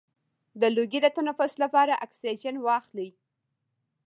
د لوګي د تنفس لپاره اکسیجن واخلئ